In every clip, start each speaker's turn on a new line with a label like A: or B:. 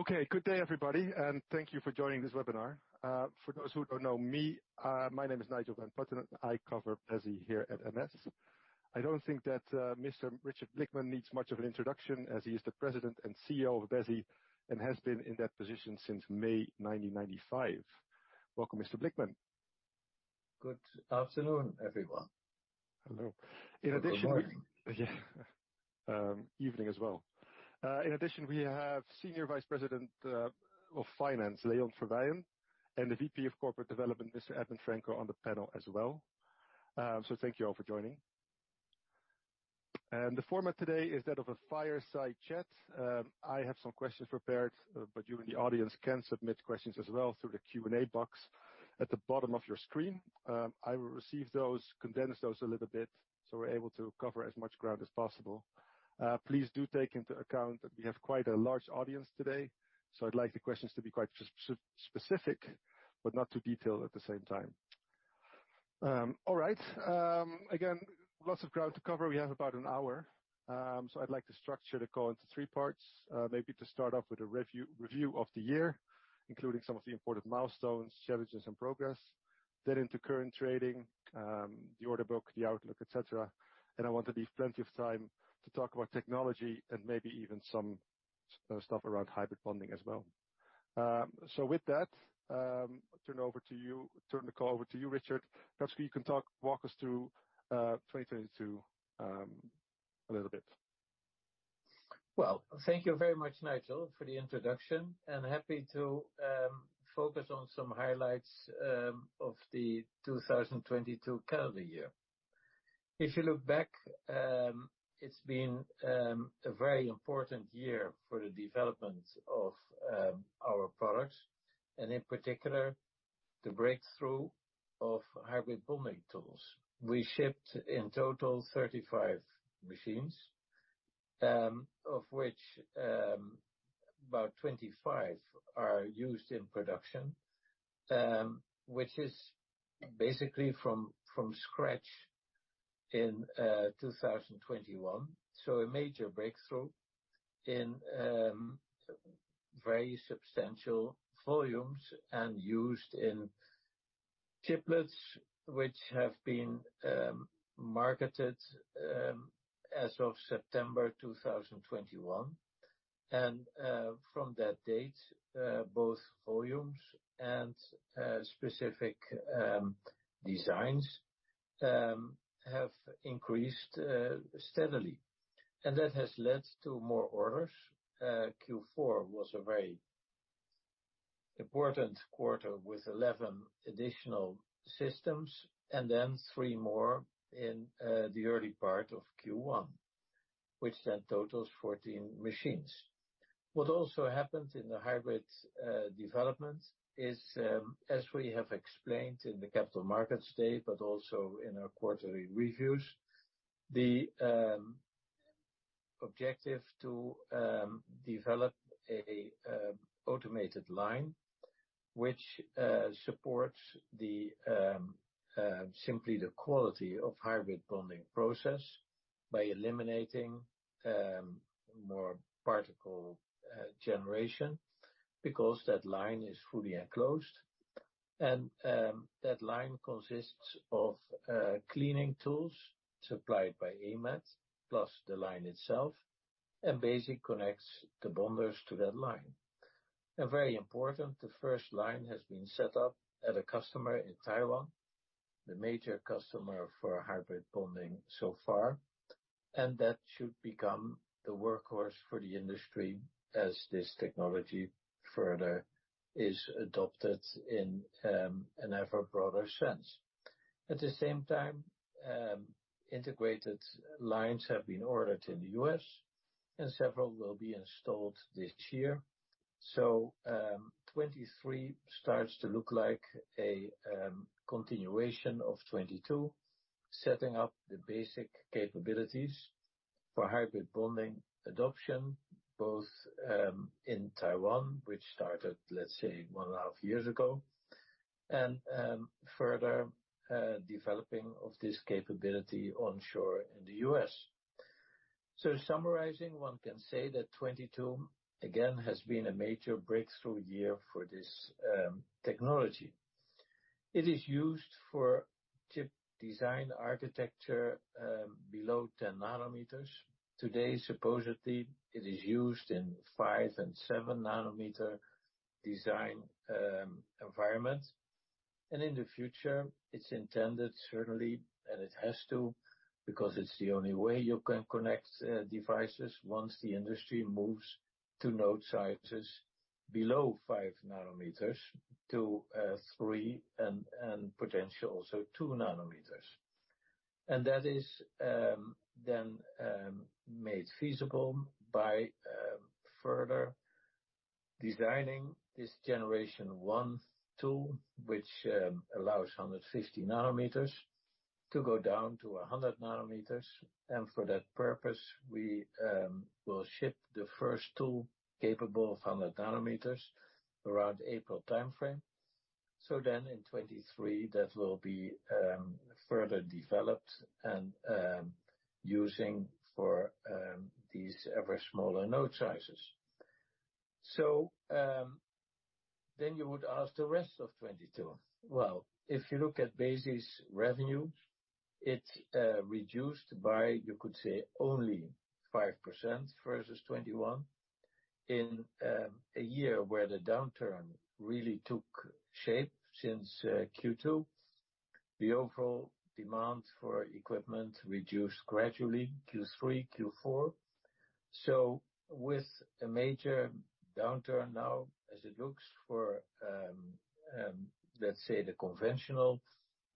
A: Okay. Good day, everybody, and thank you for joining this webinar. For those who don't know me, my name is Nigel van Putten. I cover Besi here at MS. I don't think that Mr. Richard Blickman needs much of an introduction, as he is the President and CEO of Besi and has been in that position since May 1995. Welcome, Mr. Blickman.
B: Good afternoon, everyone.
A: Hello.
B: Good morning.
A: Yeah. Evening as well. In addition, we have Senior Vice President of Finance, Leon Verweijen, and the VP of Corporate Development, Mr. Edmond Franco, on the panel as well. Thank you all for joining. The format today is that of a fireside chat. I have some questions prepared, but you in the audience can submit questions as well through the Q&A box at the bottom of your screen. I will receive those, condense those a little bit so we're able to cover as much ground as possible. Please do take into account that we have quite a large audience today, so I'd like the questions to be quite specific but not too detailed at the same time. All right. Again, lots of ground to cover. We have about an hour. I'd like the structure to go into three parts. Maybe to start off with a review of the year, including some of the important milestones, challenges and progress. Into current trading, the order book, the outlook, et cetera. I want to leave plenty of time to talk about technology and maybe even some stuff around hybrid bonding as well. With that, I'll turn the call over to you, Richard. Perhaps you can walk us through 2022 a little bit.
B: Well, thank you very much, Nigel, for the introduction, happy to focus on some highlights of the 2022 calendar year. If you look back, it's been a very important year for the development of our products, and in particular, the breakthrough of hybrid bonding tools. We shipped in total 35 machines, of which about 25 are used in production, which is basically from scratch in 2021. A major breakthrough in very substantial volumes and used in chiplets, which have been marketed as of September 2021. From that date, both volumes and specific designs have increased steadily. That has led to more orders. Q4 was a very important quarter with 11 additional systems and then three more in the early part of Q1, which then totals 14 machines. What also happened in the hybrid development is, as we have explained in the Capital Markets Day, but also in our quarterly reviews, the objective to develop a automated line which supports the simply the quality of hybrid bonding process by eliminating more particle generation because that line is fully enclosed. That line consists of cleaning tools supplied by AMAT, plus the line itself, and Besi connects the bonders to that line. Very important, the first line has been set up at a customer in Taiwan, the major customer for hybrid bonding so far. That should become the workhorse for the industry as this technology further is adopted in an ever broader sense. At the same time, integrated lines have been ordered in the U.S., and several will be installed this year. 2023 starts to look like a continuation of 2022, setting up the basic capabilities for hybrid bonding adoption, both in Taiwan, which started, let's say, one and a half years ago, and further developing of this capability onshore in the U.S. Summarizing, one can say that 2022 again has been a major breakthrough year for this technology. It is used for chip design architecture below 10 nm. Today, supposedly, it is used in 5 nm and 7 nm design environments. In the future, it's intended certainly, and it has to, because it's the only way you can connect devices once the industry moves to node sizes below 5 nm to 3 nm and potentially also 2 nm. That is then made feasible by further designing this generation one tool, which allows 150 nm to go down to 100 nm. For that purpose, we will ship the first tool capable of 100 nm around April timeframe. In 2023, that will be further developed and using for these ever smaller node sizes. You would ask the rest of 2022. If you look at Besi's revenue, it reduced by, you could say, only 5% versus 2021 in a year where the downturn really took shape since Q2. The overall demand for equipment reduced gradually Q3, Q4. With a major downturn now as it looks for, let's say the conventional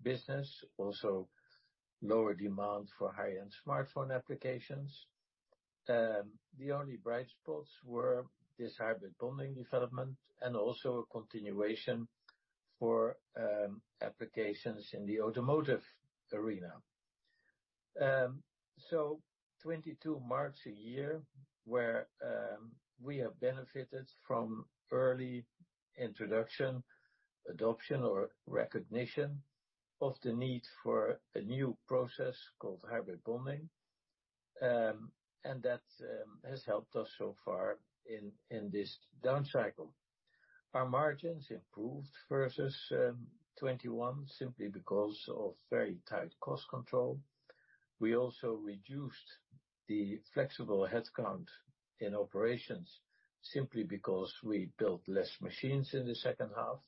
B: business, also lower demand for high-end smartphone applications. The only bright spots were this hybrid bonding development and also a continuation for applications in the automotive arena. 2022 marks a year where we have benefited from early introduction, adoption or recognition of the need for a new process called hybrid bonding. That has helped us so far in this down cycle. Our margins improved versus 2021 simply because of very tight cost control. We also reduced the flexible headcount in operations simply because we built less machines in the second half.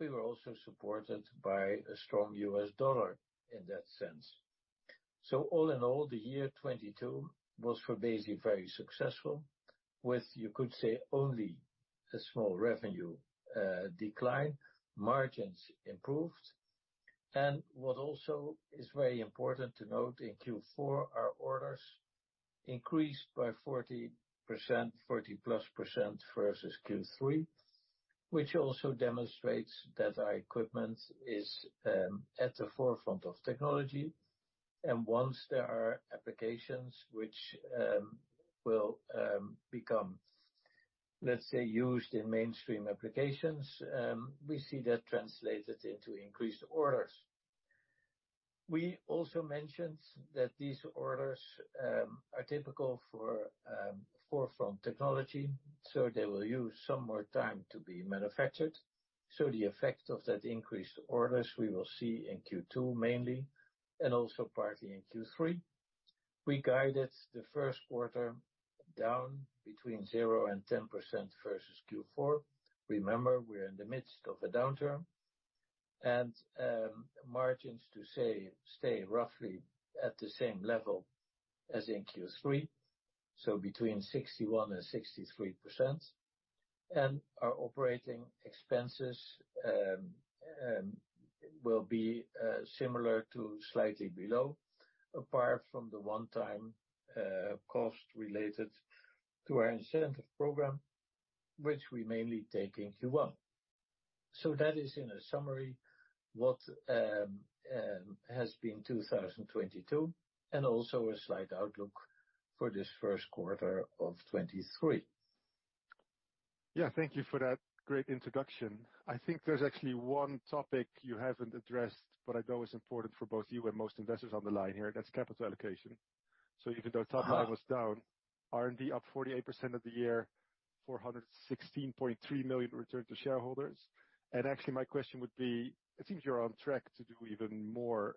B: We were also supported by a strong U.S. dollar in that sense. All in all, the year 2022 was for Besi very successful with, you could say, only a small revenue decline. Margins improved. What also is very important to note, in Q4, our orders increased by 40%, 40+% versus Q3, which also demonstrates that our equipment is at the forefront of technology. Once there are applications which will become, let's say, used in mainstream applications, we see that translated into increased orders. We also mentioned that these orders are typical for forefront technology, so they will use some more time to be manufactured. The effect of that increased orders we will see in Q2 mainly, and also partly in Q3. We guided the 1st quarter down between 0% and 10% versus Q4. Remember, we're in the midst of a downturn. Margins to, say, stay roughly at the same level as in Q3, so between 61% and 63%. Our OpEx will be similar to slightly below, apart from the one-time cost related to our incentive program, which we mainly take in Q1. That is in a summary, what has been 2022, and also a slight outlook for this Q1 of 2023.
A: Yeah. Thank you for that great introduction. I think there's actually one topic you haven't addressed, but I know is important for both you and most investors on the line here, and that's capital allocation. Even though-
B: Uh-huh.
A: Top line was down, R&D up 48% of the year, 416.3 million returned to shareholders. Actually, my question would be, it seems you're on track to do even more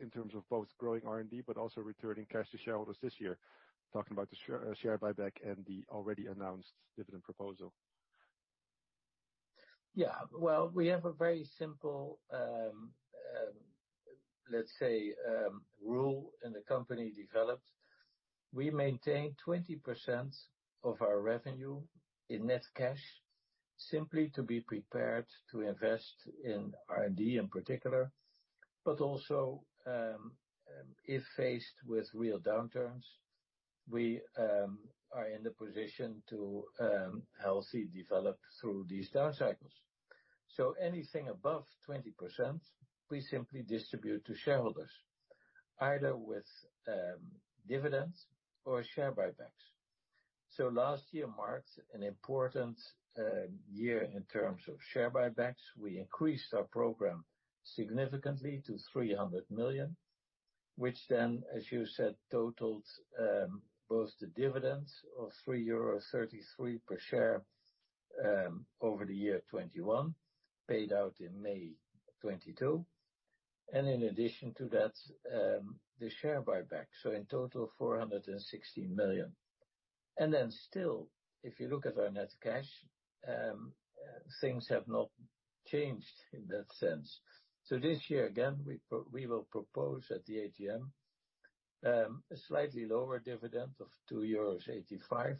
A: in terms of both growing R&D but also returning cash to shareholders this year. Talking about the share buyback and the already announced dividend proposal.
B: Well, we have a very simple, let's say, rule in the company developed. We maintain 20% of our revenue in net cash simply to be prepared to invest in R&D in particular, but also, if faced with real downturns, we are in the position to healthy develop through these down cycles. Anything above 20%, we simply distribute to shareholders, either with dividends or share buybacks. Last year marked an important year in terms of share buybacks. We increased our program significantly to 300 million, which then, as you said, totaled both the dividends of 3.33 euro per share over the year 2021, paid out in May 2022. In addition to that, the share buyback, in total 416 million. Still, if you look at our net cash, things have not changed in that sense. This year, again, we will propose at the AGM a slightly lower dividend of 2.85 euros,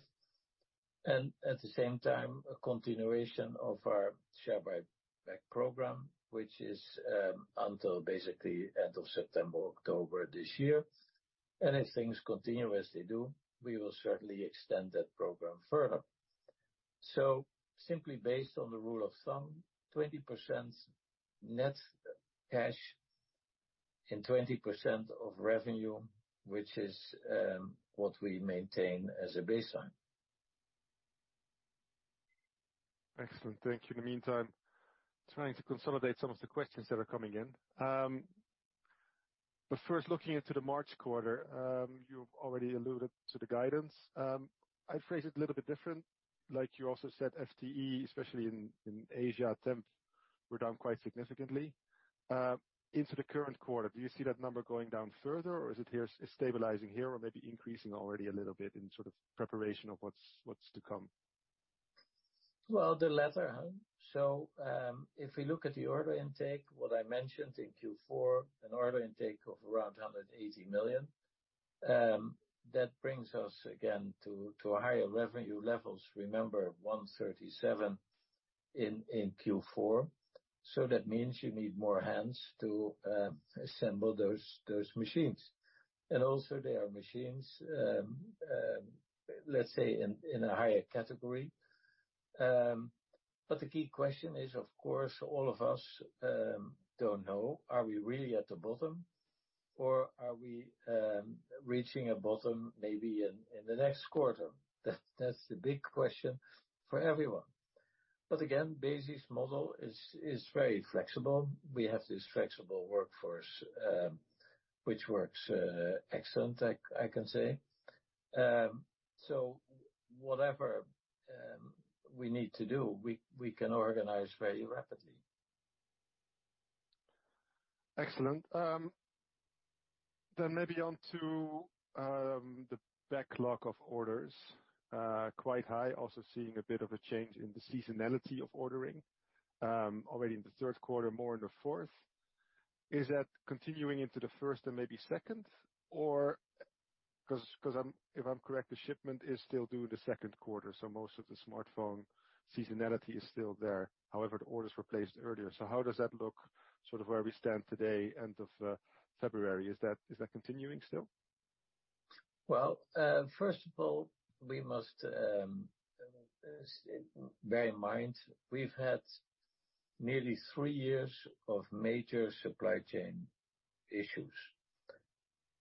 B: and at the same time, a continuation of our share buyback program, which is until basically end of September, October this year. If things continue as they do, we will certainly extend that program further. Simply based on the rule of thumb, 20% net cash in 20% of revenue, which is what we maintain as a baseline.
A: Excellent. Thank you. In the meantime, trying to consolidate some of the questions that are coming in. First, looking into the March quarter, you've already alluded to the guidance. I'd phrase it a little bit different. Like you also said, FTE, especially in Asia, temp were down quite significantly, into the current quarter. Do you see that number going down further, or is it stabilizing here or maybe increasing already a little bit in sort of preparation of what's to come?
B: Well, the latter. If we look at the order intake, what I mentioned in Q4, an order intake of around 180 million, that brings us again to higher revenue levels. Remember 137 million in Q4. That means you need more hands to assemble those machines. Also they are machines, let's say in a higher category. The key question is, of course, all of us don't know, are we really at the bottom or are we reaching a bottom maybe in the next quarter? That's the big question for everyone. Again, Besi's model is very flexible. We have this flexible workforce, which works excellent, I can say. Whatever we need to do, we can organize very rapidly.
A: Excellent. Maybe on to the backlog of orders. Quite high. Also seeing a bit of a change in the seasonality of ordering, already in the third quarter, more in the fourth. Is that continuing into the first and maybe second? If I'm correct, the shipment is still due the second quarter, so most of the smartphone seasonality is still there. However, the orders were placed earlier. How does that look, sort of where we stand today, end of February? Is that continuing still?
B: Well, first of all, we must bear in mind we've had nearly three years of major supply chain issues,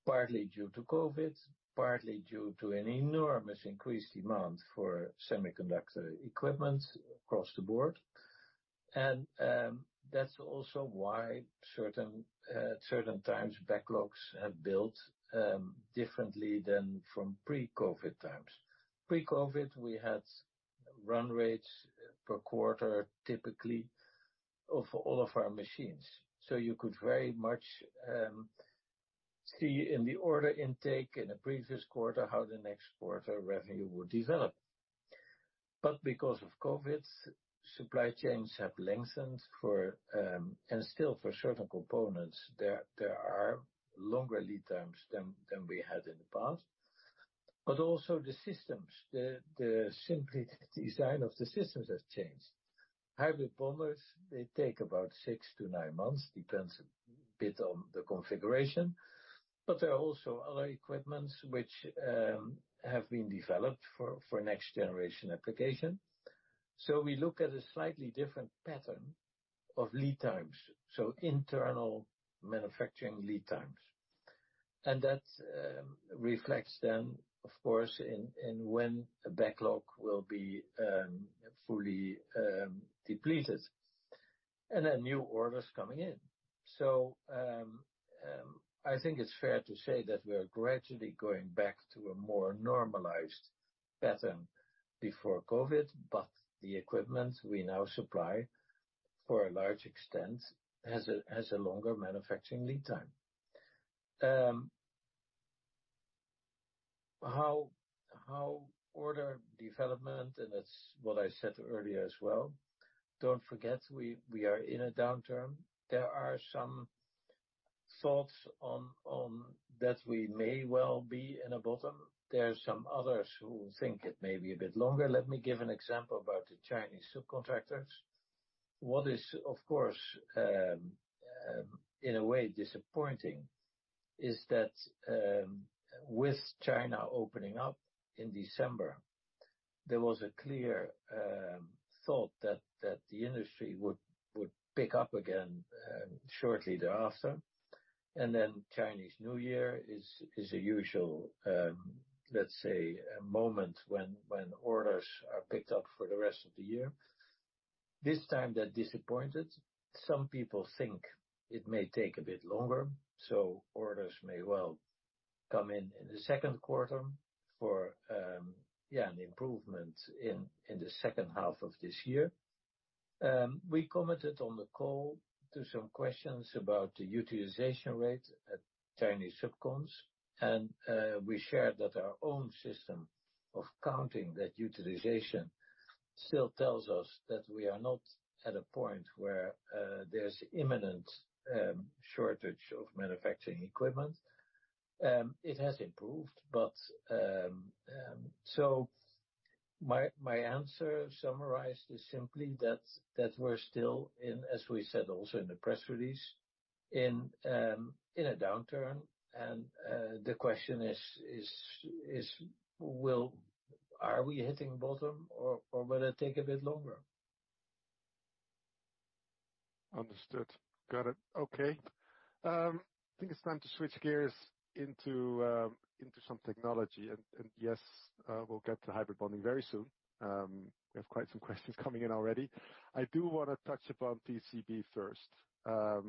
B: partly due to COVID, partly due to an enormous increased demand for semiconductor equipment across the board. That's also why certain times backlogs have built differently than from pre-COVID times. Pre-COVID, we had run rates per quarter, typically of all of our machines. You could very much see in the order intake in the previous quarter how the next quarter revenue would develop. Because of COVID, supply chains have lengthened for, and still for certain components, there are longer lead times than we had in the past. Also the systems, the simply design of the systems has changed. Hybrid bonders, they take about six to nine months, depends a bit on the configuration. There are also other equipments which have been developed for next generation application. We look at a slightly different pattern of lead times, so internal manufacturing lead times. That reflects then, of course, in when a backlog will be fully depleted, and then new orders coming in. I think it's fair to say that we are gradually going back to a more normalized pattern before COVID, but the equipment we now supply for a large extent has a longer manufacturing lead time. How order development, and that's what I said earlier as well, don't forget, we are in a downturn. There are some thoughts on that we may well be in a bottom. There are some others who think it may be a bit longer. Let me give an example about the Chinese subcontractors. What is of course, in a way disappointing is that, with China opening up in December, there was a clear thought that the industry would pick up again, shortly thereafter. Chinese New Year is a usual, let's say, a moment when orders are picked up for the rest of the year. This time, they're disappointed. Some people think it may take a bit longer. Orders may well come in the second quarter for, yeah, an improvement in the second half of this year. We commented on the call to some questions about the utilization rate at Chinese subcons, and we shared that our own system of counting that utilization still tells us that we are not at a point where there's imminent shortage of manufacturing equipment. It has improved, but. My answer summarized is simply that we're still in, as we said, also in the press release, in a downturn. The question is, are we hitting bottom or will it take a bit longer?
A: Understood. Got it. Okay. I think it's time to switch gears into some technology. Yes, we'll get to hybrid bonding very soon. We have quite some questions coming in already. I do wanna touch upon TCB first. I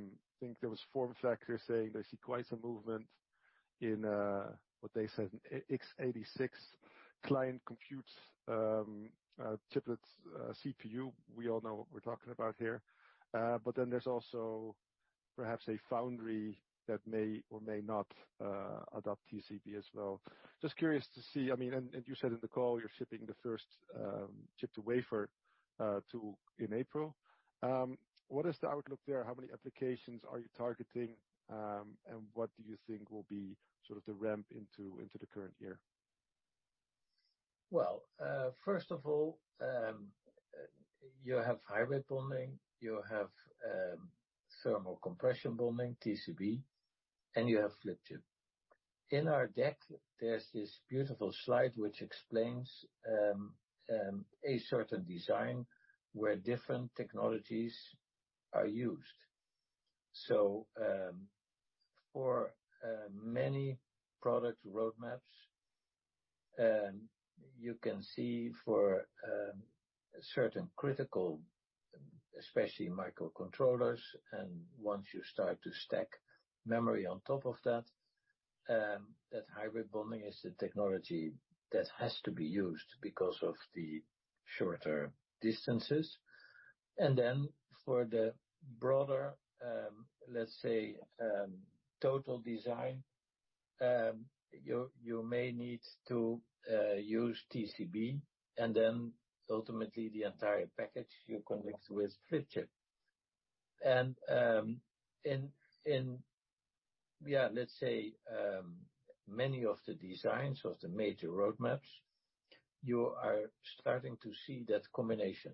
A: think there was FormFactor saying they see quite some movement in what they said, x86 client computes, chiplets, CPU. We all know what we're talking about here. Then there's also perhaps a foundry that may or may not adopt TCB as well. Just curious to see. I mean, you said in the call you're shipping the first chip to wafer tool in April. What is the outlook there? How many applications are you targeting, what do you think will be sort of the ramp into the current year?
B: Well, first of all, you have hybrid bonding, you have thermal compression bonding, TCB, and you have flip chip. In our deck, there's this beautiful slide which explains a certain design where different technologies are used. For many product roadmaps, you can see for certain critical, especially microcontrollers, and once you start to stack memory on top of that hybrid bonding is the technology that has to be used because of the shorter distances. For the broader, let's say, total design, you may need to use TCB, and then ultimately the entire package you connect with flip chip. In, yeah, let's say, many of the designs of the major roadmaps, you are starting to see that combination.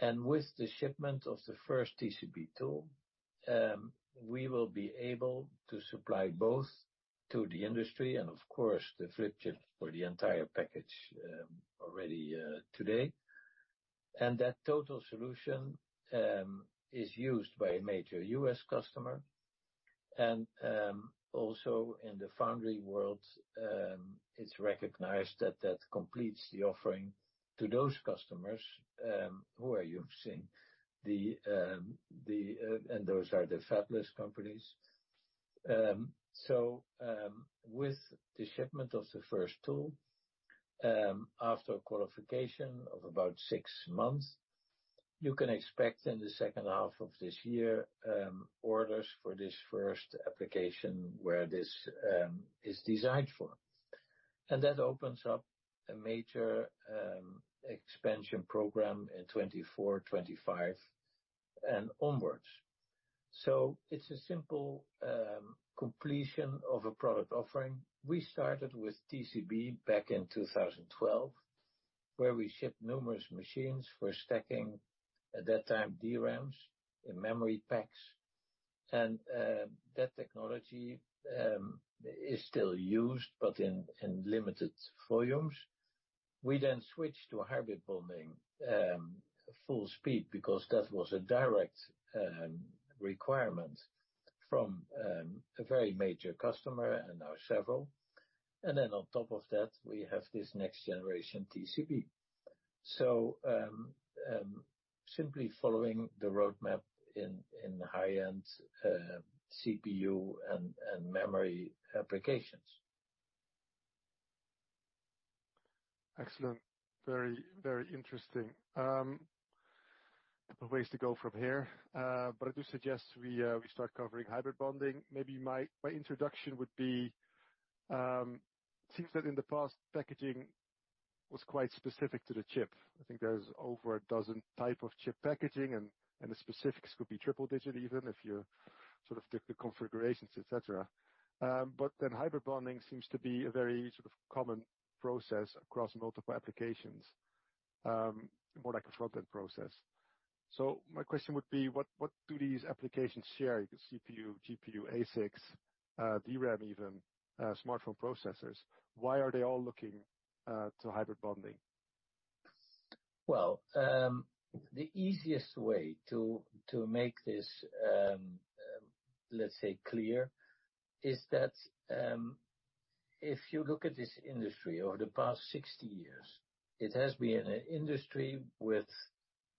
B: With the shipment of the first TCB tool, we will be able to supply both to the industry and of course the flip chip for the entire package, already today. That total solution is used by a major U.S. customer. Also in the foundry world, it's recognized that that completes the offering to those customers, who are using the. Those are the fabless companies. With the shipment of the first tool, after qualification of about six months, you can expect in the second half of this year, orders for this first application where this is designed for. That opens up a major expansion program in 2024, 2025 and onwards. It's a simple completion of a product offering. We started with TCB back in 2012, where we shipped numerous machines for stacking, at that time, DRAMs in memory packs. That technology is still used, but in limited volumes. We switched to hybrid bonding full speed, because that was a direct requirement from a very major customer, and now several. On top of that, we have this next generation TCB. Simply following the roadmap in high-end CPU and memory applications.
A: Excellent. Very, very interesting. Couple ways to go from here, I do suggest we start covering hybrid bonding. Maybe my introduction would be, seems that in the past, packaging was quite specific to the chip. I think there's over a dozen type of chip packaging and the specifics could be triple digit even if you sort of take the configurations, et cetera. Then hybrid bonding seems to be a very sort of common process across multiple applications, more like a front-end process. My question would be, what do these applications share? You got CPU, GPU, ASICs, DRAM even, smartphone processors. Why are they all looking to hybrid bonding?
B: Well, the easiest way to make this, let's say clear is that, if you look at this industry over the past 60 years, it has been an industry with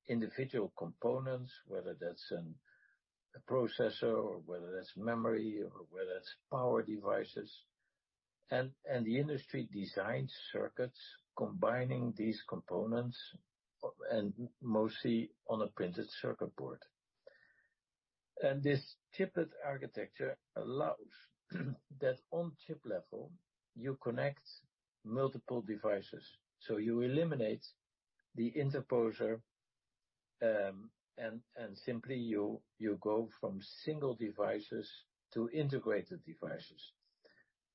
B: individual components, whether that's a processor, or whether that's memory, or whether it's power devices. The industry designs circuits combining these components and mostly on a printed circuit board. This chiplet architecture allows that on chip level you connect multiple devices. You eliminate the interposer, and simply you go from single devices to integrated devices.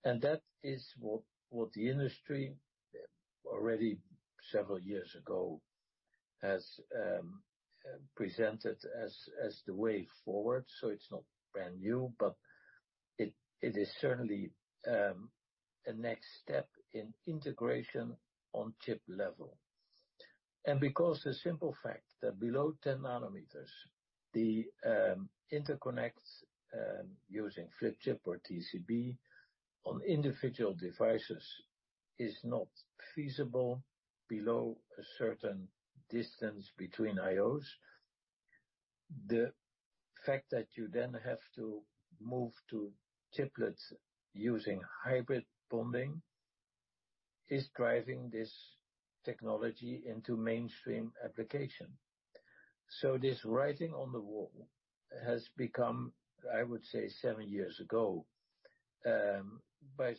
B: That is what the industry already several years ago has presented as the way forward. It's not brand new, but it is certainly a next step in integration on chip level. Because the simple fact that below 10 nm, the interconnects using flip chip or TCB on individual devices is not feasible below a certain distance between IOs. The fact that you then have to move to chiplets using hybrid bonding is driving this technology into mainstream application. This writing on the wall has become, I would say seven years ago, by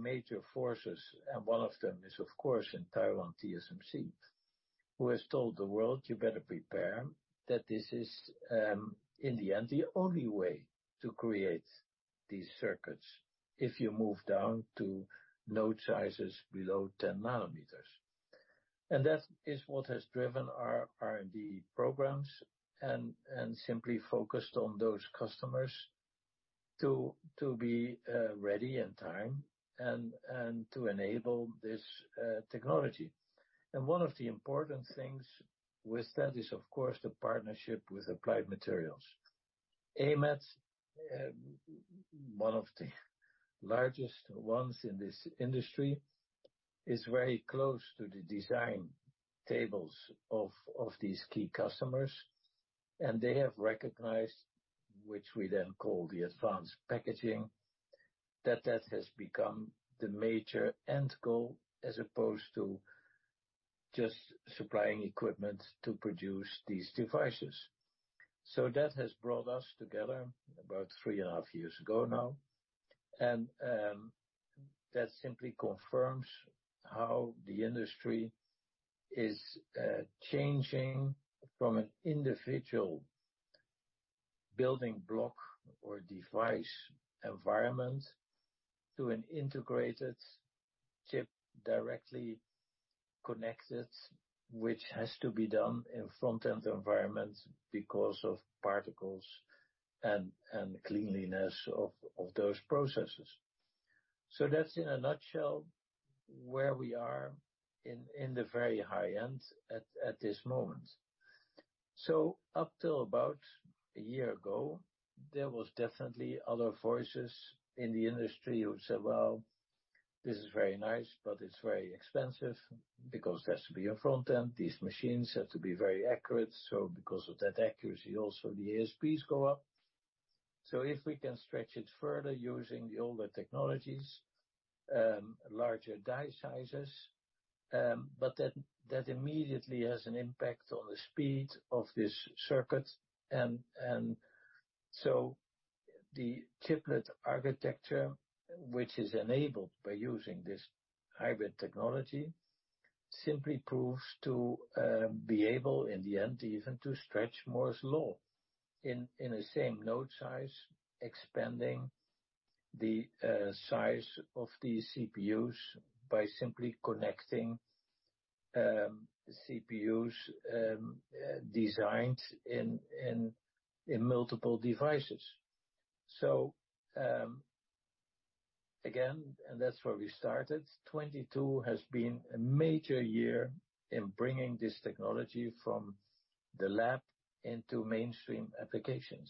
B: major forces. One of them is, of course, in Taiwan, TSMC, who has told the world, "You better prepare that this is in the end, the only way to create these circuits if you move down to node sizes below 10 nm." That is what has driven our R&D programs and simply focused on those customers to be ready in time and to enable this technology. One of the important things with that is, of course, the partnership with Applied Materials. AMAT, one of the largest ones in this industry, is very close to the design tables of these key customers. They have recognized, which we then call the advanced packaging, that that has become the major end goal as opposed to just supplying equipment to produce these devices. That has brought us together about 3.5 years ago now, and that simply confirms how the industry is changing from an individual building block or device environment to an integrated chip directly connected, which has to be done in front-end environments because of particles and cleanliness of those processes. That's in a nutshell where we are in the very high end at this moment. Up till about one year ago, there was definitely other voices in the industry who said, "Well, this is very nice, but it's very expensive because it has to be a front-end. These machines have to be very accurate, so because of that accuracy, also the ASPs go up. If we can stretch it further using the older technologies, larger die sizes, but that immediately has an impact on the speed of this circuit. The chiplet architecture, which is enabled by using this hybrid technology, simply proves to be able, in the end, even to stretch Moore's Law in a same node size, expanding the size of these CPUs by simply connecting CPUs designed in multiple devices. Again, and that's where we started. 2022 has been a major year in bringing this technology from the lab into mainstream applications,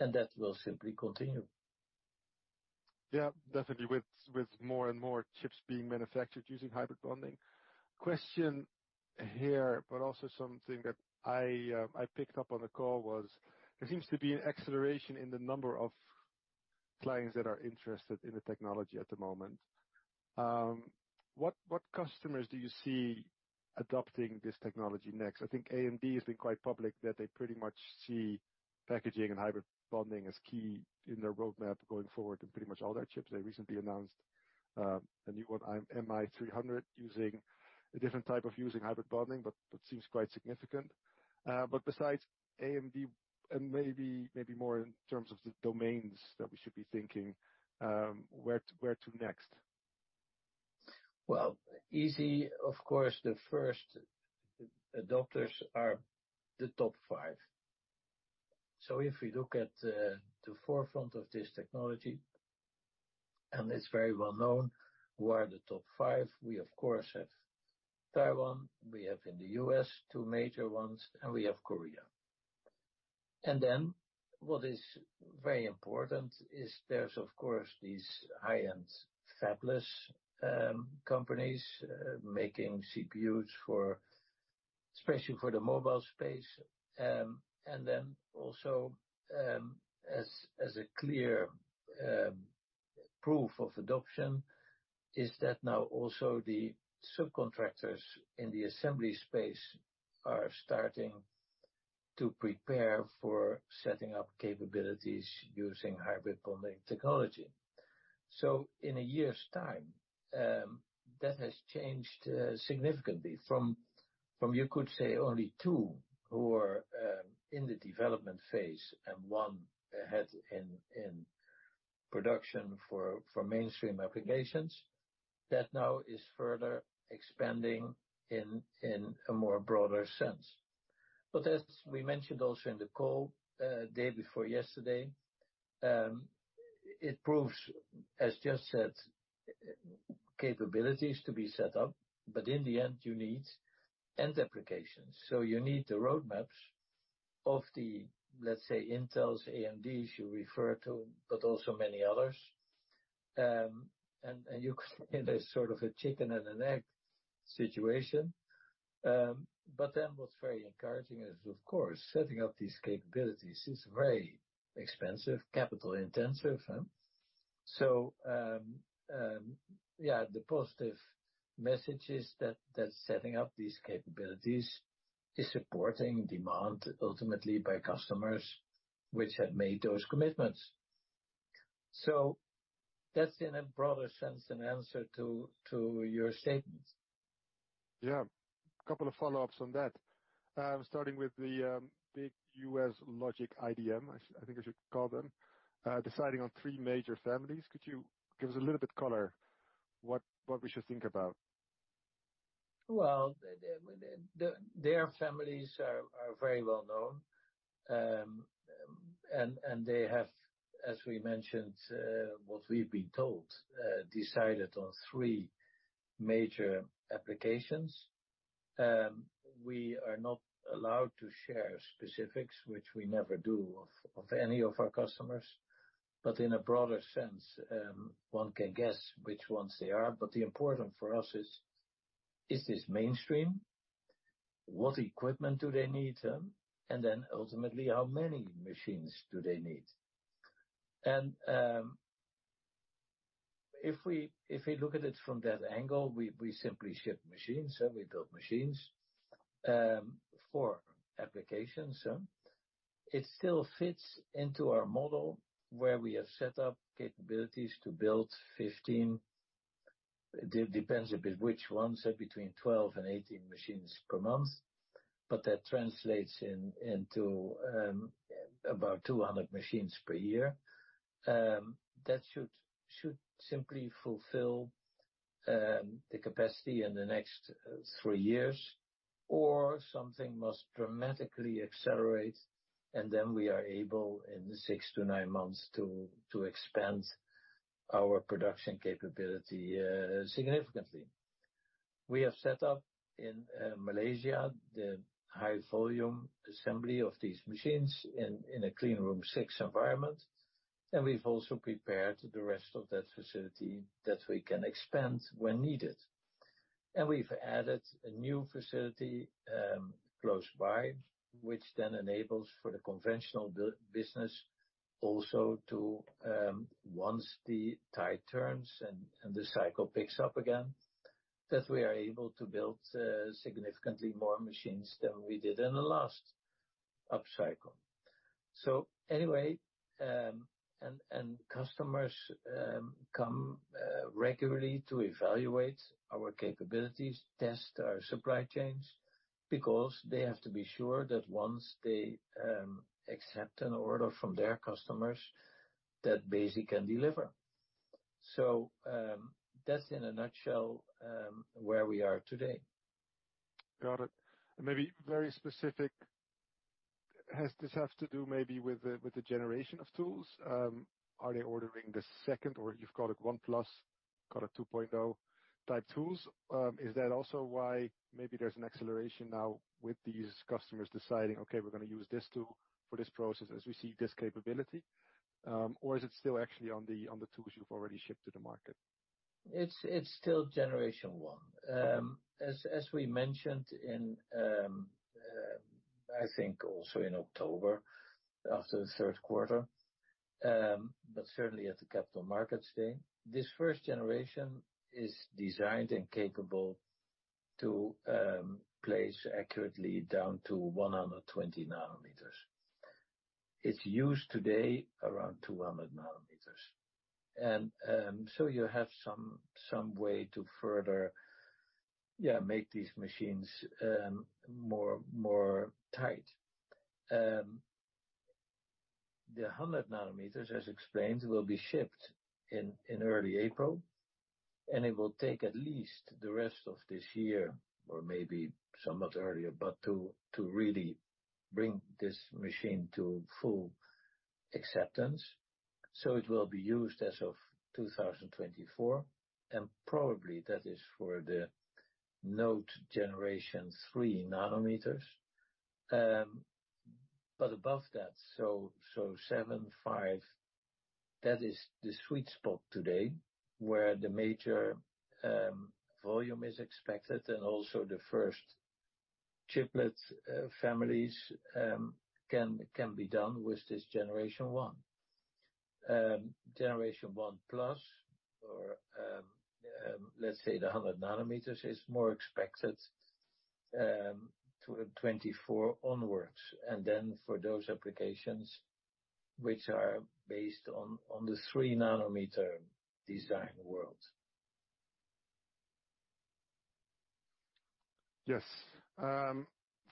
B: and that will simply continue.
A: Definitely with more and more chips being manufactured using hybrid bonding. Question here, but also something that I picked up on the call was there seems to be an acceleration in the number of clients that are interested in the technology at the moment. What customers do you see adopting this technology next? I think AMD has been quite public that they pretty much see packaging and hybrid bonding as key in their roadmap going forward in pretty much all their chips. They recently announced a new one, Instinct MI300, using a different type of using hybrid bonding, but seems quite significant. Besides AMD and maybe more in terms of the domains that we should be thinking, where to next?
B: Well, easy, of course, the first adopters are the top five. If we look at the forefront of this technology, and it's very well known who are the top five. We, of course, have Taiwan. We have in the U.S., two major ones, and we have Korea. What is very important is there's of course, these high-end fabless companies making CPUs for, especially for the mobile space. Also, as a clear proof of adoption is that now also the subcontractors in the assembly space are starting to prepare for setting up capabilities using hybrid bonding technology. In a year's time, that has changed significantly from you could say only two who are in the development phase and one ahead in production for mainstream applications. That now is further expanding in a more broader sense. As we mentioned also in the call, day before yesterday, it proves, as just said, capabilities to be set up. In the end, you need end applications. You need the roadmaps of the, let's say, Intels, AMDs you refer to, but also many others. You in a sort of a chicken and an egg situation. What's very encouraging is of course, setting up these capabilities is very expensive, capital intensive, huh? Yeah, the positive message is that setting up these capabilities is supporting demand ultimately by customers which have made those commitments. That's in a broader sense an answer to your statements.
A: Yeah. Couple of follow-ups on that. Starting with the big U.S. logic IDM, I think I should call them, deciding on three major families. Could you give us a little bit color what we should think about?
B: Well, their families are very well known. They have, as we mentioned, what we've been told, decided on three major applications. We are not allowed to share specifics, which we never do, of any of our customers. In a broader sense, one can guess which ones they are. The important for us is this mainstream? What equipment do they need? Ultimately, how many machines do they need? If we look at it from that angle, we simply ship machines, so we build machines for applications. It still fits into our model where we have set up capabilities to build 15, depends a bit which ones, so between 12 and 18 machines per month. That translates into about 200 machines per year. That should simply fulfill the capacity in the next three years, or something must dramatically accelerate, and then we are able, in six to nine months, to expand our production capability significantly. We have set up in Malaysia, the high volume assembly of these machines in a ISO room six environment. We've also prepared the rest of that facility that we can expand when needed. We've added a new facility close by, which then enables for the conventional business also to once the tide turns and the cycle picks up again, that we are able to build significantly more machines than we did in the last upcycle. And customers, come regularly to evaluate our capabilities, test our supply chains, because they have to be sure that once they, accept an order from their customers, that Besi can deliver. That's in a nutshell, where we are today.
A: Got it. Maybe very specific, has this have to do maybe with the, with the generation of tools? Are they ordering the second, or you've got a 1+, got a 2.0 type tools? Is that also why maybe there's an acceleration now with these customers deciding, "Okay, we're gonna use this tool for this process as we see this capability"? Is it still actually on the, on the tools you've already shipped to the market?
B: It's still generation one. As we mentioned in, I think also in October, after the third quarter, but certainly at the Capital Markets Day, this first generation is designed and capable to place accurately down to 120 nm. It's used today around 200 nm. You have some way to further, yeah, make these machines more tight. The 100 nm, as explained, will be shipped in early April, and it will take at least the rest of this year or maybe somewhat earlier, but to really bring this machine to full acceptance. It will be used as of 2024, and probably that is for the node generation 3 nm. Above that, so 7, 5, that is the sweet spot today, where the major volume is expected and also the first chiplet families can be done with this generation one. Generation one plus or, let's say the 100 nm is more expected to 2024 onwards. For those applications which are based on the 3 nm design world.
A: Yes.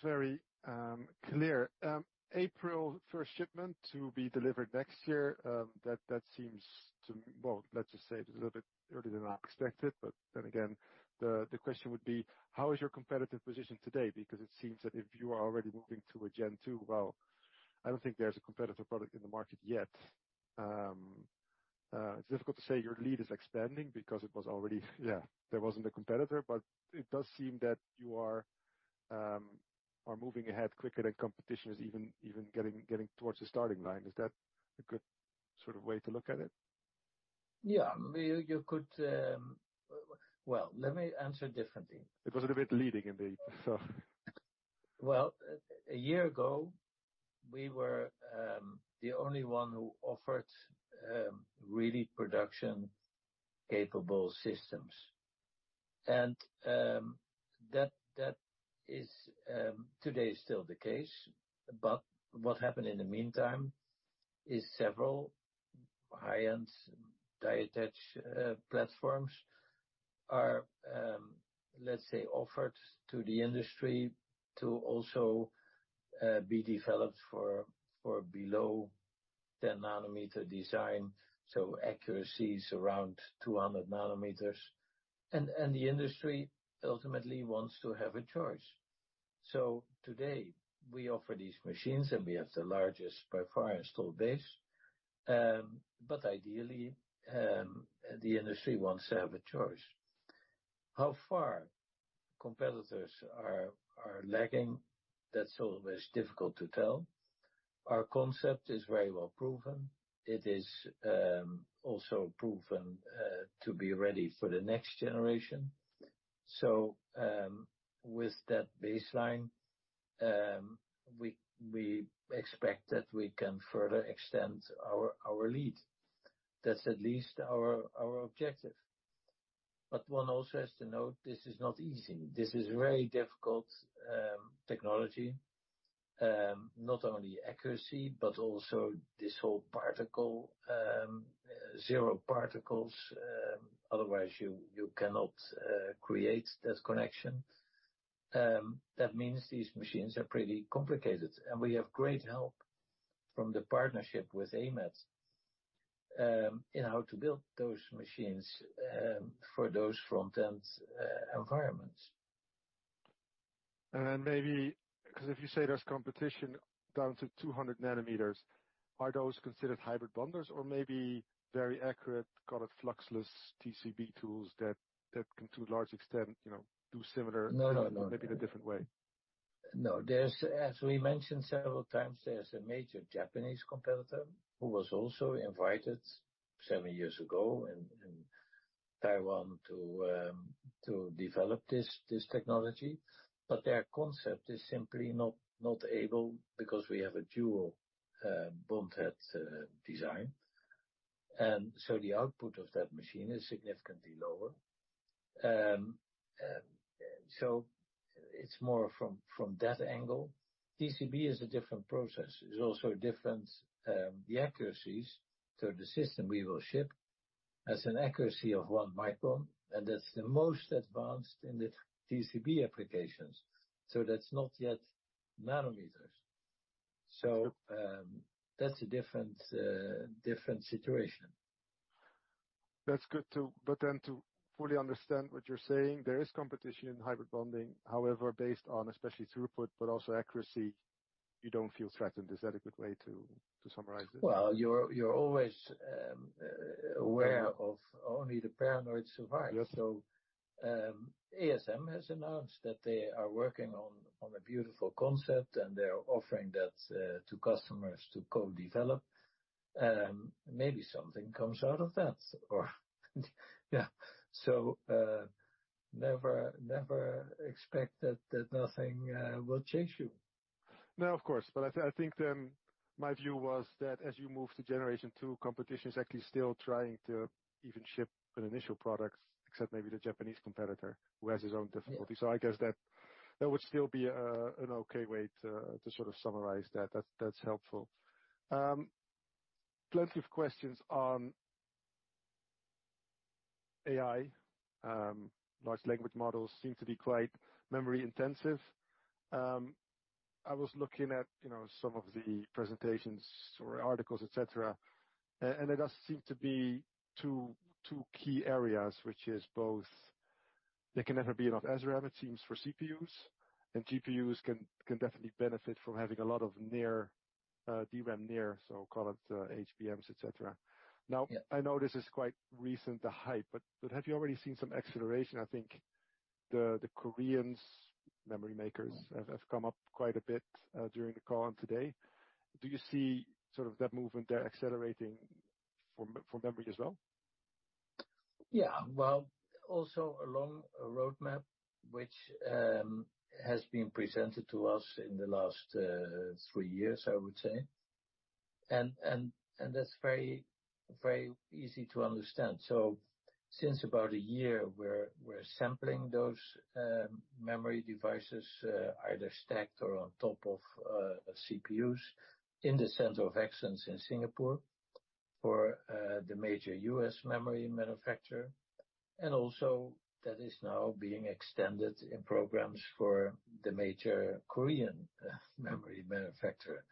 A: Very clear. April for a shipment to be delivered next year, let's just say it's a little bit earlier than I expected. The question would be, how is your competitive position today? Because it seems that if you are already moving to a gen-2, I don't think there's a competitive product in the market yet. It's difficult to say your lead is expanding because it was already... there wasn't a competitor, but it does seem that you are moving ahead quicker than competition is even getting towards the starting line. Is that a good sort of way to look at it?
B: Yeah. You could... Well, let me answer differently.
A: It was a little bit leading indeed, so.
B: Well, a year ago, we were the only one who offered really production-capable systems. That is today is still the case. What happened in the meantime is several high-end die attach platforms are, let's say, offered to the industry to also be developed for below 10 nm design, so accuracy is around 200 nm. The industry ultimately wants to have a choice. Today we offer these machines, and we have the largest, by far, installed base. Ideally, the industry wants to have a choice. How far competitors are lagging, that's always difficult to tell. Our concept is very well proven. It is also proven to be ready for the next generation. With that baseline, we expect that we can further extend our lead. That's at least our objective. One also has to note, this is not easy. This is very difficult technology, not only accuracy, but also this whole particle zero particles. Otherwise you cannot create this connection. These machines are pretty complicated, and we have great help from the partnership with AMAT in how to build those machines for those front-end environments.
A: maybe 'cause if you say there's competition down to 200 nm, are those considered hybrid bonders or maybe very accurate, call it fluxless TCB tools that can, to a large extent, you know, do?
B: No, no.
A: Maybe in a different way.
B: No, there's, as we mentioned several times, there's a major Japanese competitor who was also invited seven years ago in Taiwan to develop this technology. Their concept is simply not able because we have a dual bond head design. The output of that machine is significantly lower. It's more from that angle. TCB is a different process. It's also different, the accuracies. The system we will ship has an accuracy of 1 micron, and that's the most advanced in the TCB applications, so that's not yet nanometers.
A: Sure.
B: That's a different situation.
A: To fully understand what you're saying, there is competition in hybrid bonding. However, based on especially throughput but also accuracy, you don't feel threatened. Is that a good way to summarize it?
B: You're always aware of only the paranoid survive.
A: Yeah.
B: ASM has announced that they are working on a beautiful concept, and they are offering that to customers to co-develop. Maybe something comes out of that or. Yeah. Never expect that nothing will change you.
A: No, of course. I think my view was that as you move to generation two, competition is actually still trying to even ship an initial product, except maybe the Japanese competitor who has his own difficulties.
B: Yeah.
A: I guess that would still be an okay way to sort of summarize that. That's helpful. Plenty of questions on AI. Large language models seem to be quite memory intensive. I was looking at, you know, some of the presentations or articles, et cetera. And there does seem to be two key areas, which is both there can never be enough SRAM, it seems, for CPUs and GPUs can definitely benefit from having a lot of near DRAM, so call it HBMs, et cetera.
B: Yeah.
A: Now, I know this is quite recent, the hype, but have you already seen some acceleration? I think the Koreans memory makers.
B: Mm-hmm.
A: Have come up quite a bit during the call on today. Do you see sort of that movement there accelerating for memory as well?
B: Yeah. Well, also a long roadmap which has been presented to us in the last three years, I would say. That's very, very easy to understand. Since about a year, we're sampling those memory devices, either stacked or on top of CPUs in the center of excellence in Singapore for the major U.S. memory manufacturer. Also that is now being extended in programs for the major Korean memory manufacturer.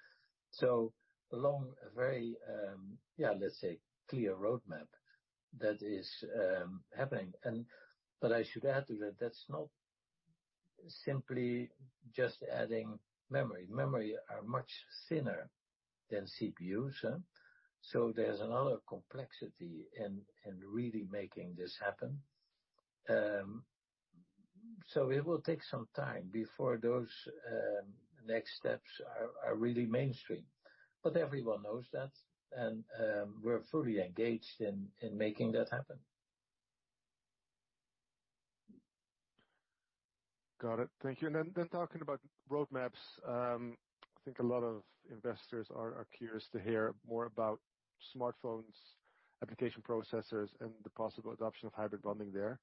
B: Along a very, yeah, let's say clear roadmap that is happening. I should add that that's not simply just adding memory. Memory are much thinner than CPUs, so there's another complexity in really making this happen. So it will take some time before those next steps are really mainstream. Everyone knows that and, we're fully engaged in making that happen.
A: Got it. Thank you. Talking about roadmaps, I think a lot of investors are curious to hear more about smartphones, application processors, and the possible adoption of hybrid bonding there.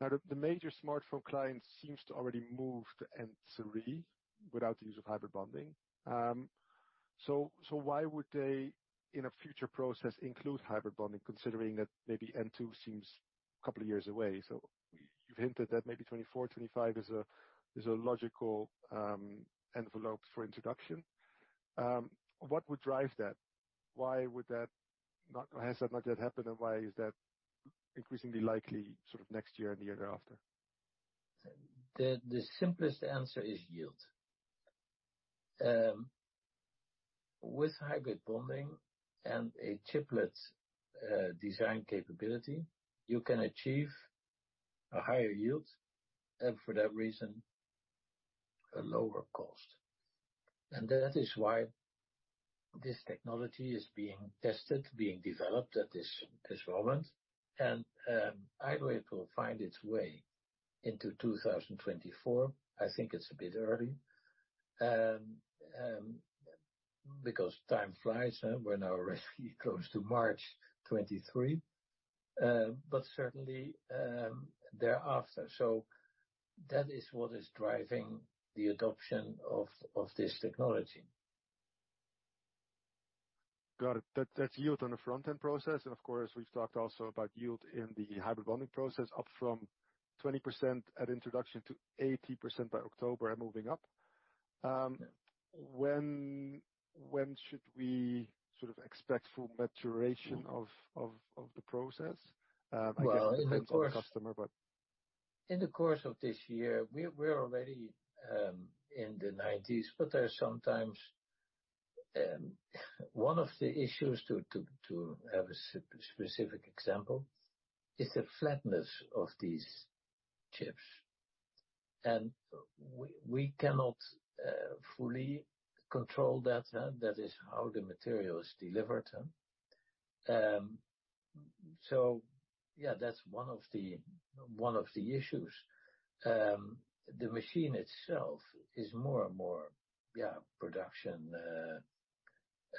A: The major smartphone clients seems to already move to N3 without the use of hybrid bonding. Why would they, in a future process, include hybrid bonding, considering that maybe N2 seems two years away? You've hinted that maybe 2024, 2025 is a logical envelope for introduction. What would drive that? Why would that not yet happened, and why is that increasingly likely sort of next year and the year after?
B: The simplest answer is yield. With hybrid bonding and a chiplet design capability, you can achieve a higher yield, and for that reason, a lower cost. That is why this technology is being tested, being developed at this moment. I believe it will find its way into 2024. I think it's a bit early because time flies, huh? We're now already close to March 2023, but certainly thereafter. That is what is driving the adoption of this technology.
A: Got it. That's yield on the front-end process. Of course, we've talked also about yield in the hybrid bonding process, up from 20% at introduction to 80% by October and moving up. When should we sort of expect full maturation of the process? I guess it depends on the customer.
B: In the course of this year, we're already in the 90s. There are sometimes one of the issues to have a specific example, is the flatness of these chips. We cannot fully control that. That is how the material is delivered. Yeah, that's one of the issues. The machine itself is more and more, yeah, production,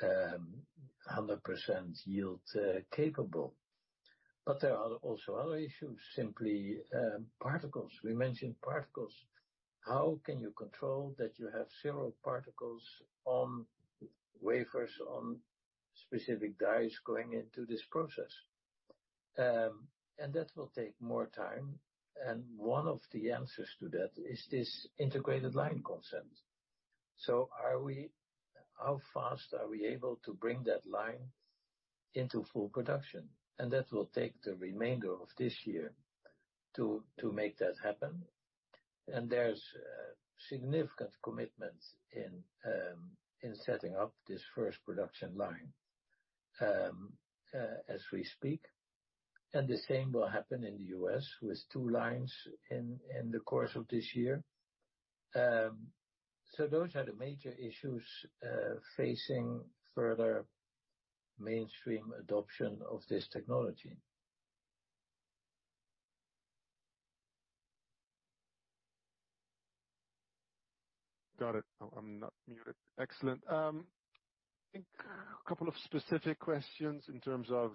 B: 100% yield capable. There are also other issues, simply, particles. We mentioned particles. How can you control that you have zero particles on wafers, on specific dies going into this process? That will take more time. One of the answers to that is this integrated line concept. How fast are we able to bring that line into full production? That will take the remainder of this year to make that happen. There's significant commitment in setting up this first production line as we speak. The same will happen in the U.S. with two lines in the course of this year. Those are the major issues facing further mainstream adoption of this technology.
A: Got it. I'm not muted. Excellent. I think a couple of specific questions in terms of,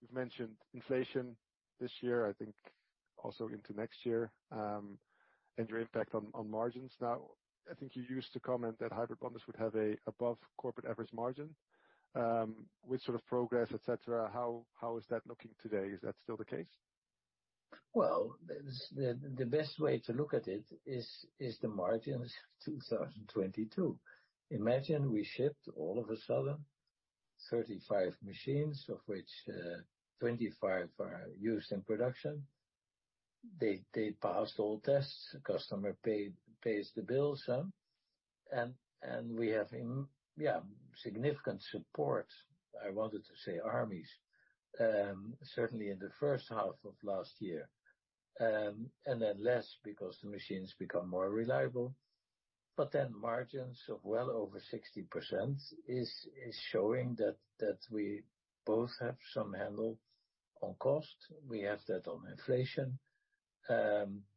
A: you've mentioned inflation this year, I think also into next year, and your impact on margins. Now, I think you used to comment that hybrid bonders would have a above corporate average margin. With sort of progress, et cetera, how is that looking today? Is that still the case?
B: The best way to look at it is the margins 2022. Imagine we shipped all of a sudden 35 machines, of which 25 are used in production. They passed all tests. The customer paid, pays the bills, huh? We have, yeah, significant support, I wanted to say armies, certainly in the first half of last year, and then less because the machines become more reliable. Margins of well over 60% is showing that we both have some handle on cost, we have that on inflation, and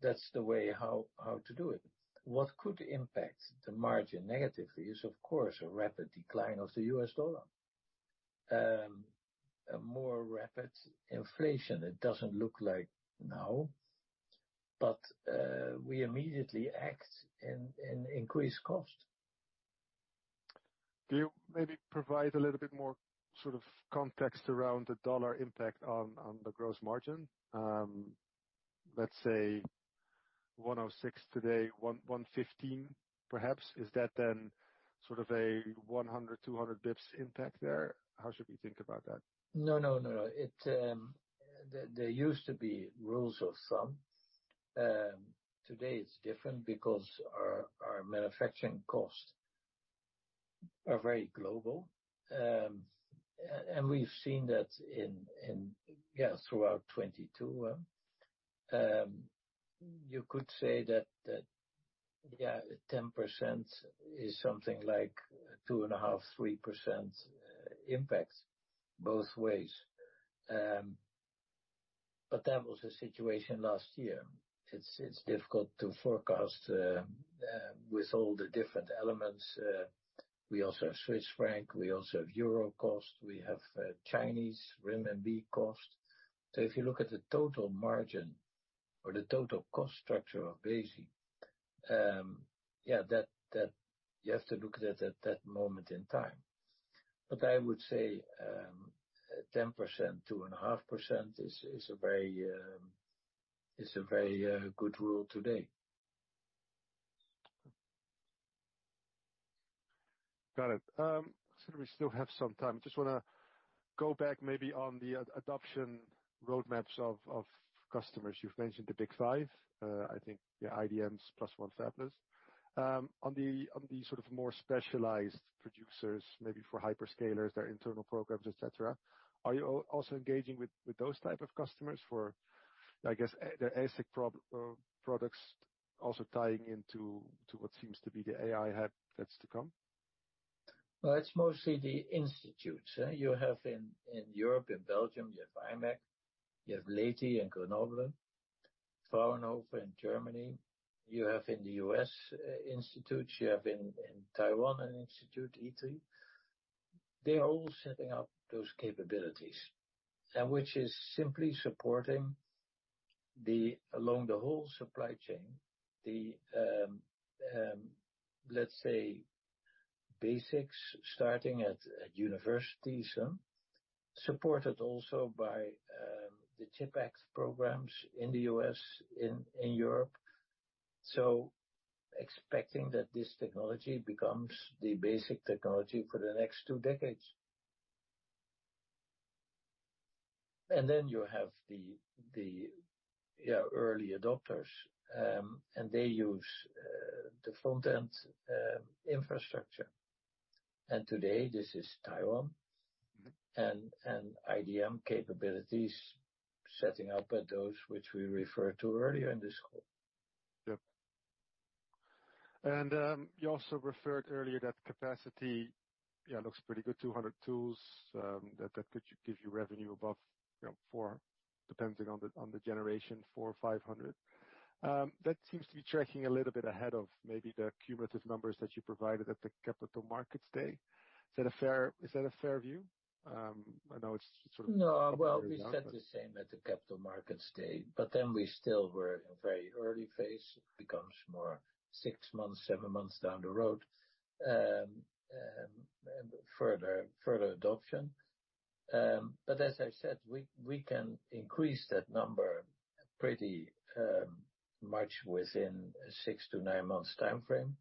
B: that's the way how to do it. What could impact the margin negatively is, of course, a rapid decline of the U.S. dollar. A more rapid inflation. It doesn't look like now, but we immediately act and increase cost.
A: Can you maybe provide a little bit more sort of context around the dollar impact on the gross margin? Let's say 1.06% today, 1.15% perhaps. Is that then sort of a 100, 200 basis points impact there? How should we think about that?
B: No, no. It, there used to be rules of thumb. Today it's different because our manufacturing costs are very global. We've seen that in 2022. You could say that 10% is something like 2.5%-3% impact both ways. That was the situation last year. It's difficult to forecast with all the different elements. We also have Swiss franc, we also have euro costs, we have Chinese renminbi costs. If you look at the total margin or the total cost structure of Besi, you have to look at it at that moment in time. I would say 10%-2.5% is a very good rule today.
A: Got it. We still have some time. Just wanna go back maybe on the adoption roadmaps of customers. You've mentioned the Big Five, I think the IDMs plus 1 fabless. On the sort of more specialized producers, maybe for hyperscalers, their internal programs, et cetera, are you also engaging with those type of customers for, I guess, the ASIC products also tying into what seems to be the AI hub that's to come?
B: Well, it's mostly the institutes. You have in Europe, in Belgium, you have imec, you have Leti in Grenoble, Fraunhofer in Germany. You have in the U.S. institutes. You have in Taiwan an institute, ITRI. They are all setting up those capabilities. Which is simply supporting the, along the whole supply chain, the, let's say, basics starting at universities, supported also by the CHIPS Act programs in the U.S., in Europe. Expecting that this technology becomes the basic technology for the next two decades. Then you have the, yeah, early adopters, and they use the front end infrastructure. Today, this is Taiwan-
A: Mm-hmm.
B: IDM capabilities setting up at those which we referred to earlier in this call.
A: Yep. You also referred earlier that capacity looks pretty good. 200 tools that could give you revenue above, you know, 400, depending on the, on the generation, 400-500. That seems to be tracking a little bit ahead of maybe the cumulative numbers that you provided at the Capital Markets Day. Is that a fair view? I know it's sort of.
B: Well, we said the same at the Capital Markets Day, we still were at a very early phase. It becomes more six months, seven months down the road. further adoption. As I said, we can increase that number pretty much within six to nine months timeframe.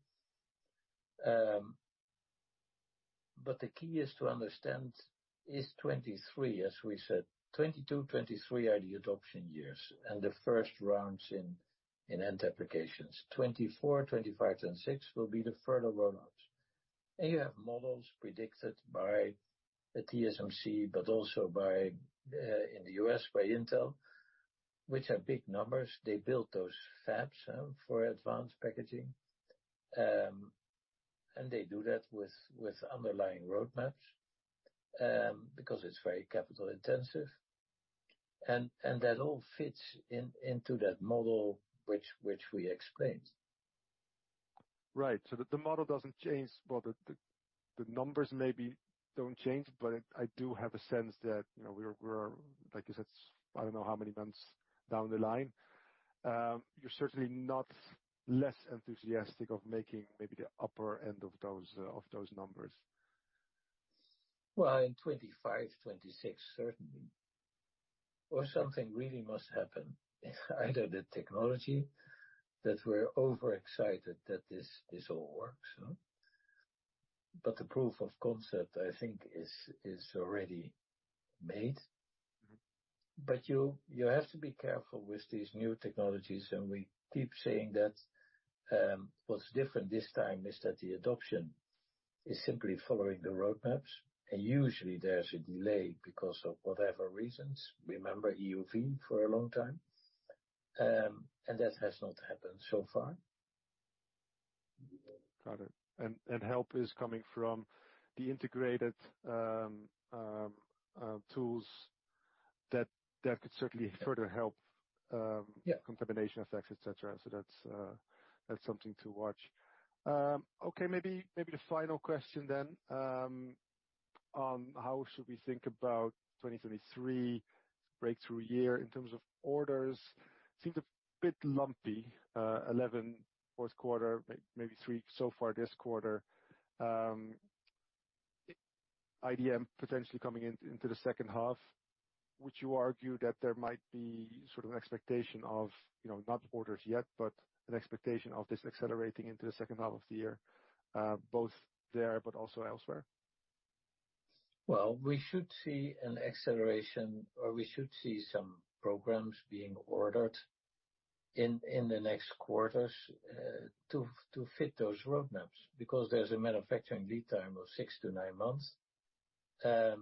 B: The key is to understand is 2023, as we said, 2022, 2023 are the adoption years and the first rounds in end applications. 2024, 2025, 2026 will be the further rollouts. You have models predicted by the TSMC, also by in the U.S., by Intel, which have big numbers. They built those fabs, huh, for advanced packaging. They do that with underlying roadmaps because it's very capital intensive. That all fits into that model which we explained.
A: Right. The model doesn't change. The numbers maybe don't change, but I do have a sense that, you know, we're, like you said, I don't know how many months down the line, you're certainly not less enthusiastic of making maybe the upper end of those numbers.
B: Well, in 2025, 2026, certainly. Something really must happen. Either the technology that we're overexcited that this all works, huh. The proof of concept, I think is already made.
A: Mm-hmm.
B: You have to be careful with these new technologies, and we keep saying that. What's different this time is that the adoption is simply following the roadmaps. Usually there's a delay because of whatever reasons. Remember EUV for a long time. That has not happened so far.
A: Got it. And help is coming from the integrated tools that could certainly further.
B: Yeah.
A: Contamination effects, et cetera. That's something to watch. Maybe the final question then, on how should we think about 2023 breakthrough year in terms of orders? Seems a bit lumpy, 11 first quarter, maybe three so far this quarter. IDM potentially coming in, into the second half. Would you argue that there might be sort of an expectation of, you know, not orders yet, but an expectation of this accelerating into the second half of the year, both there but also elsewhere?
B: We should see an acceleration, or we should see some programs being ordered in the next quarters, to fit those roadmaps, because there's a manufacturing lead time of six to nine months. Then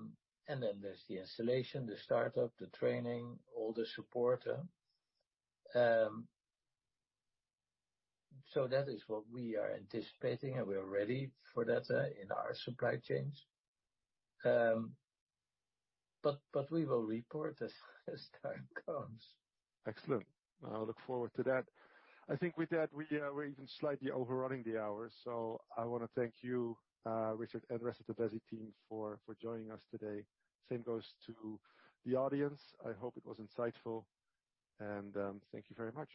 B: there's the installation, the startup, the training, all the support. That is what we are anticipating, and we are ready for that, in our supply chains. We will report as time comes.
A: Excellent. I look forward to that. I think with that, we're even slightly overrunning the hour. I wanna thank you, Richard, and the rest of the Besi team for joining us today. Same goes to the audience. I hope it was insightful, and thank you very much.